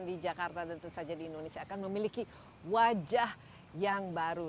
di jakarta tentu saja di indonesia akan memiliki wajah yang baru